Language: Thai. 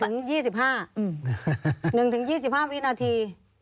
๑ถึง๒๕วินาที